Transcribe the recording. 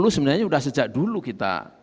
sebenarnya sudah sejak dulu kita